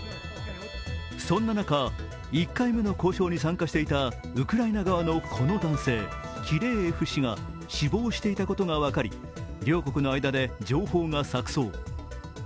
そんな中、１回目の交渉に参加していたウクライナ側のこの男性、キレーエフ氏が死亡していたことが分かり両国の間で情報が錯そう。